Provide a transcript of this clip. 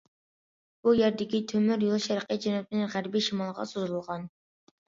بۇ يەردىكى تۆمۈر يول شەرقىي جەنۇبتىن غەربىي شىمالغا سوزۇلغان.